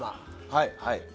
はい、はい。